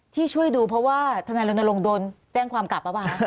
ที่ช่วยดูเพราะว่าธนรนลงโดนแจ้งความกลับแล้วเปล่าฮะ